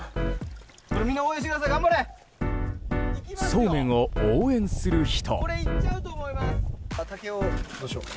そうめんを応援する人。